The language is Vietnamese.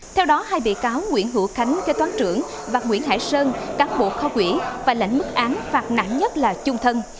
theo đó hai bị cáo nguyễn hữu khánh kế toán trưởng và nguyễn hải sơn cán bộ kho quỹ và lãnh mức án phạt nặng nhất là chung thân